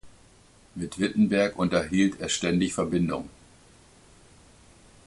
Mit Wittenberg unterhielt er ständig Verbindung.